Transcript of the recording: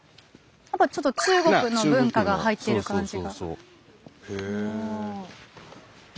やっぱちょっと中国の文化が入ってる感じが。